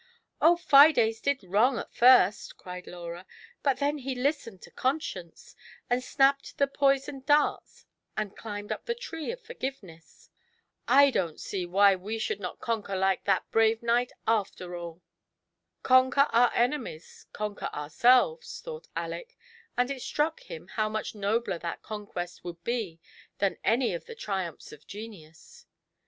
'' Oh, Fides did wrong at first," cried Laura; " but then he listened to Conscience, and snapped the poisoned darts, and climbed up the tree of Forgiveness. I don't see why we should not conquer like that brave knight, after aU." Conquer our enemies — conquer ourselves," thought Aleck, and it struck him how much nobler that conquest would be than any of the triumphs of genius.